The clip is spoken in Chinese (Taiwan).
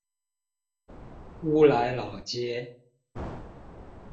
烏來老街